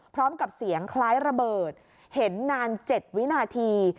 พร้อมกับเสียงคล้ายระเบิดเห็นนาน๗วินาที